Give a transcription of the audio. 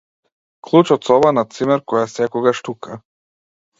Клуч од соба на цимер кој е секогаш тука.